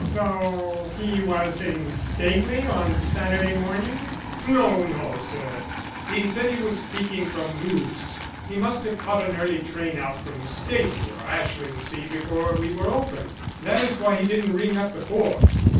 "So he was in Staveley on Saturday morning?" "No, no, sir. He said he was speaking from Lewes. He must have caught an early train out from Staveley or Ashlingsea before we were open. That is why he didn't ring up before."